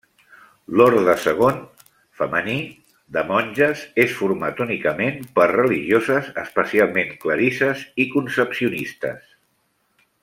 L'orde segon, femení, de monges, és format únicament per religioses, especialment clarisses i concepcionistes.